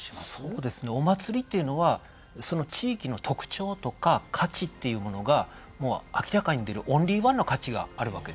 そうですねお祭りというのはその地域の特徴とか価値っていうものがもう明らかに出るオンリーワンの価値があるわけですよね。